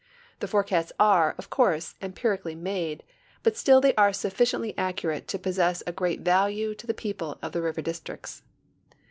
'I'he fore casts are, of course, empirically made, but still they are sufli ciently accurate to possess great value to the people of the river districts.